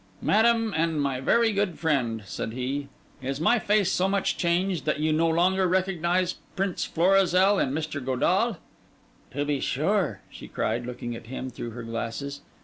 'Madam and my very good friend,' said he, 'is my face so much changed that you no longer recognise Prince Florizel in Mr. Godall?' 'To be sure!' she cried, looking at him through her glasses.